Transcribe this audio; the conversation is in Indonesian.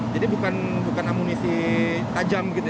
jadi bukan amunisi tajam gitu ya